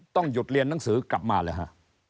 ต้องหยุดเรียนหนังสือกลับมาเลยฮะ